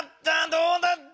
どうだった？